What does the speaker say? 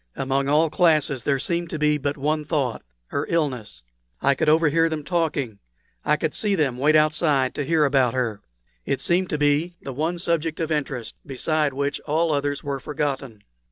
Among all classes there seemed to be but one thought her illness. I could overhear them talking I could see them wait outside to hear about her. It seemed to be the one subject of interest, beside which all others were forgotten.